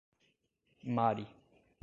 Mari